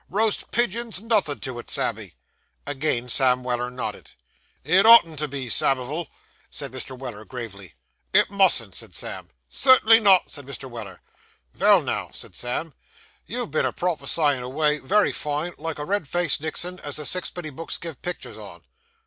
Roast pigeon's nothin' to it, Sammy.' Again Sam Weller nodded. 'It oughtn't to be, Samivel,' said Mr. Weller gravely. 'It mustn't be,' said Sam. 'Cert'nly not,' said Mr. Weller. 'Vell now,' said Sam, 'you've been a prophecyin' away, wery fine, like a red faced Nixon, as the sixpenny books gives picters on.